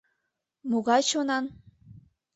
Могай чонан?